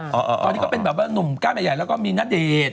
ปอนี้ก็เป็นนุ่มก้าวใหญ่แล้วก็มีน่าเดช